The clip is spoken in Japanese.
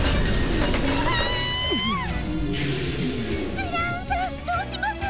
ブラウンさんどうしましょう？